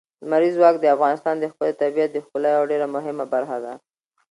لمریز ځواک د افغانستان د ښکلي طبیعت د ښکلا یوه ډېره مهمه برخه ده.